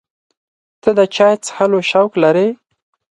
ته د چای څښلو شوق لرې؟